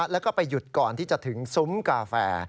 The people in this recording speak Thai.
แล้วก็ไปหยุดก่อนที่จะถึงซุ้มกาแฟ